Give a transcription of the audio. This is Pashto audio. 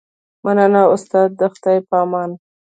مننه استاده د خدای په امان